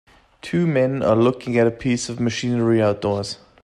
Two men are looking at a piece of machinery outdoors.